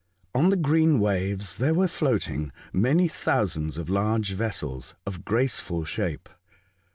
On the green waves there were floating many thousands of large vessels, of graceful shape.